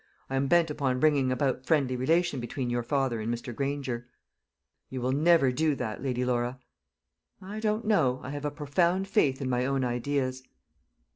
I am bent upon bringing about friendly relation, between your father and Mr. Granger." "You will never do that, Lady Laura." "I don't know. I have a profound faith in my own ideas."